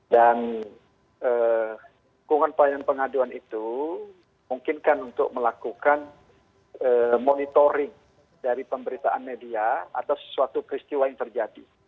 dan dukungan pelayanan dan pengaduan itu mungkinkan untuk melakukan monitoring dari pemberitaan media atas suatu peristiwa yang terjadi